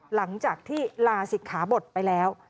หลังจากที่ลาศิกขาบทไปแล้ว